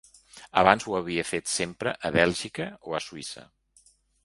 Abans ho havia fet sempre a Bèlgica o a Suïssa.